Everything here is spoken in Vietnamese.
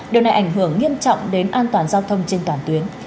điều này ảnh hưởng nghiêm trọng đến an toàn giao thông trên toàn tuyến